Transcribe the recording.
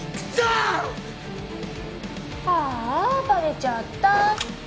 あーあバレちゃった。